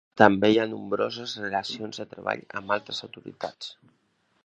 També hi ha nombroses relacions de treball amb altres autoritats.